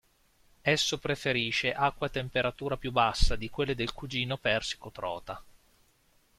Esso preferisce acque a temperatura più bassa di quelle del cugino persico trota.